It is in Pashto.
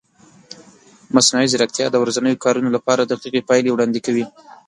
مصنوعي ځیرکتیا د ورځنیو کارونو لپاره دقیقې پایلې وړاندې کوي.